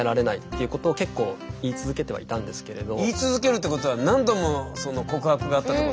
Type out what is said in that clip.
言い続けるってことは何度もその告白があったってこと？